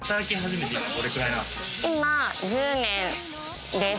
今、１０年です。